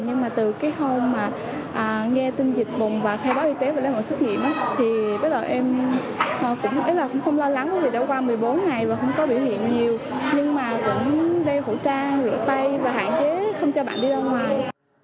nhưng mà cũng đeo khẩu trang rửa tay và hạn chế không cho bạn đi ra ngoài